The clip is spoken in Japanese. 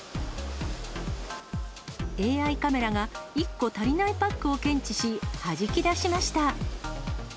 ＡＩカメラが１個足りないパックを検知し、はじき出しました。